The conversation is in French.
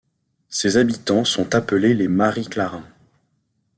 Ses habitants sont appelés les Mariclarains.